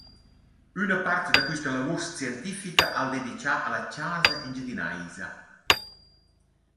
Üna part da quista lavur scientifica ha’l dedichà a la chasa engiadinaisa.